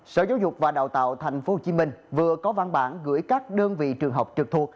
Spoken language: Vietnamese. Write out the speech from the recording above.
sở giáo dục và đào tạo tp hcm vừa có văn bản gửi các đơn vị trường học trực thuộc